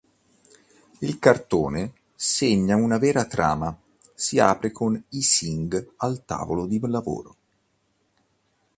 Il cartone, senza una vera trama, si apre con Ising al tavolo di lavoro.